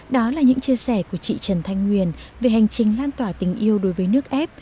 đó là những chia sẻ của chị trần thanh nguyên về hành trình lan tỏa tình yêu đối với nước ép